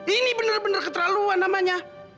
ini bener bener keterlaluan namanya